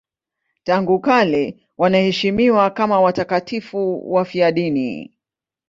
Tangu kale wanaheshimiwa kama watakatifu wafiadini.